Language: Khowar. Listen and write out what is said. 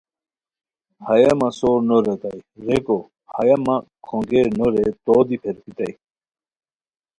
ہیہ مہ سور نو ریتائے، ریکو ہیہ مہ کھونگیر نو رے تو دی پھیرکیتائے